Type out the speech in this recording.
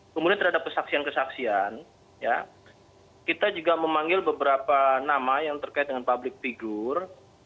kemudian terhadap kesaksian kesaksian kita juga memanggil beberapa nama yang terkait dengan public figure